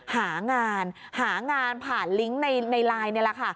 หางานหางานผ่านลิงก์ในไลน์นี่แหละค่ะ